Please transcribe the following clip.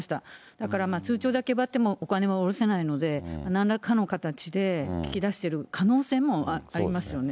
だから通帳だけ奪ってもお金は下せないので、なんらかの形で聞き出してる可能性もありますよね。